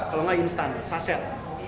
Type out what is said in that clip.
kalau enggak instan saset